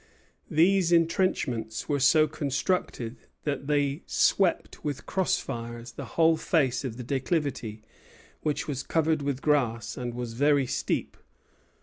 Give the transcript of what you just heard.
These intrenchments were so constructed that they swept with cross fires the whole face of the declivity, which was covered with grass, and was very steep.